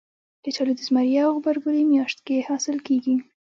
کچالو د زمري او غبرګولي میاشت کې حاصل کېږي